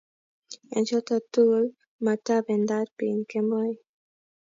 eng choto tugul, matabendat biin kemoi